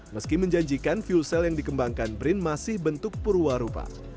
meski menjanjikan fuel cell yang dikembangkan brin masih bentuk perwarupa